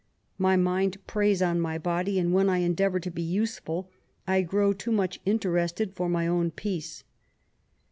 My mind preys on my body, and, when I endeavonr to be useful, I gfrow too much interested for my own peace.